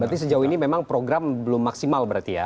berarti sejauh ini memang program belum maksimal berarti ya